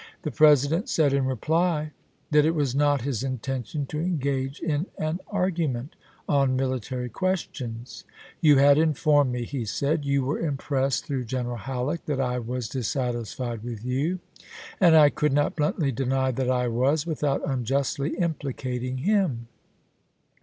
The President said in reply that it was not his in tention to engage in an argument on military ques tions. " You had informed me," he said, " you were impressed through General Halleck that I THE MAECH TO CHATTANOOGA 67 was dissatisfied with you; and I could not bluntly chap. hi. deny that I was, without unjustly implicating him.